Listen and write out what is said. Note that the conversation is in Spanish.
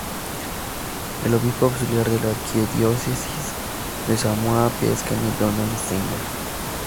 El obispo auxiliar de la Arquidiócesis de Samoa-Apia es Kenneth Donald Steiner.